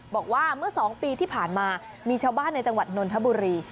บอกว่าเมื่อ๒ปีที่ผ่านมามีชาวบ้านในจังหวัดนนทบุรี